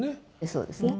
そうですね。